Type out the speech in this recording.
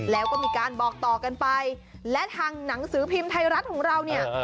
แล้วก็มีการบอกต่อกันไปและทางหนังสือพิมพ์ไทยรัฐของเราเนี่ย